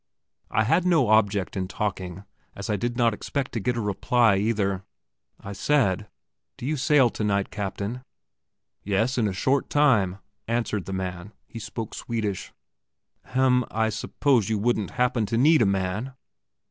I had no object in talking, as I did not expect to get a reply, either. I said: "Do you sail tonight, Captain?" "Yes; in a short time," answered the man. He spoke Swedish. "Hem, I suppose you wouldn't happen to need a man?"